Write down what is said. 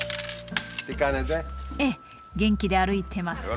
ええ元気で歩いてます。